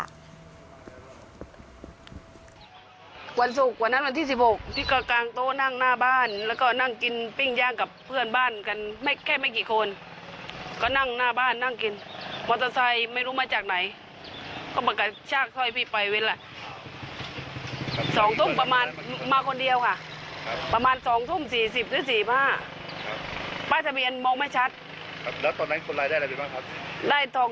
ได้ทองคำขาวหนักสามบาทแล้วก็ได้ลูกของพ่อไปด้วยเป็นเลี่ยมทอง